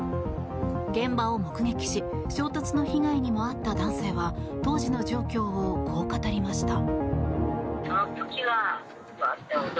現場を目撃し衝突の被害にも遭った男性は当時の状況をこう語りました。